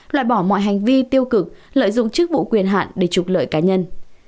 loại bỏ mọi hành vi tiêu cực lợi dụng chức vụ quyền hạn để trục lợi cá nhân